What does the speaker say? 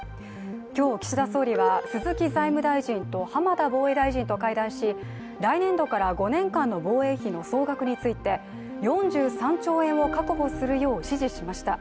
今日、岸田総理は鈴木財務大臣と浜田防衛大臣と会談し来年度から５年間の防衛費の総額について４３兆円を確保するよう指示しました。